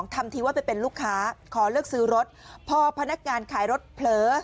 ทำทีว่าไปเป็นลูกค้าขอเลือกซื้อรถพอพนักงานขายรถเผลอ